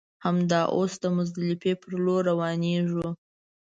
همدا اوس د مزدلفې پر لور روانېږو.